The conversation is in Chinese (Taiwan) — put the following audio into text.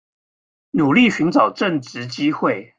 努力尋找正職機會